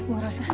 eh bu rosa